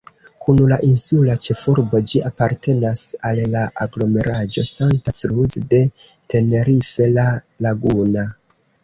Kun la insula ĉefurbo ĝi apartenas al la aglomeraĵo Santa Cruz de Tenerife-La Laguna.